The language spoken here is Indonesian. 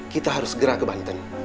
kita harus gerak ke banten